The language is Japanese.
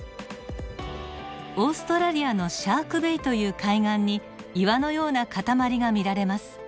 オーストラリアのシャークベイという海岸に岩のような塊が見られます。